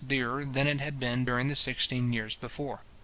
dearer than it had been during the sixteen years before.